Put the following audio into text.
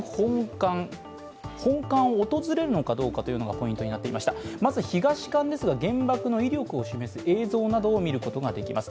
本館を訪れるのかどうかがポイントになっていました東館ですが原爆の威力を示す映像などを見ることができます。